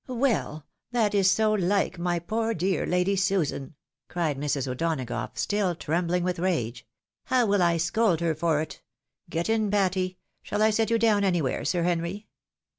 " Well ! that is so like my poor dear Lady Susan !" cried Mrs. O'Donagough, still trembling with rage ;" how I will scold her for it ! Get in, Patty ! Shall I set you down any where, Sir Henry